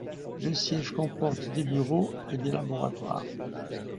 Le siège comporte des bureaux et des laboratoires.